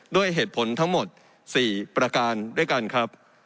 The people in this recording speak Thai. ด้วยเหตุผลทั้งหมด๔ประการด้วยกันครับ